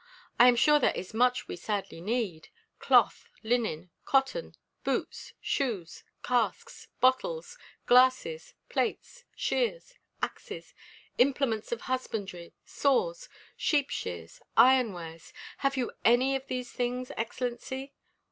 I am sure there is much we sadly need: cloth, linen, cotton, boots, shoes, casks, bottles, glasses, plates, shears, axes, implements of husbandry, saws, sheep shears, iron wares have you any of these things, Excellency?"